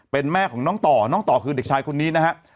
เป็นแม่ของน้องต่อน้องต่อคือเด็กชายคนนี้นะฮะ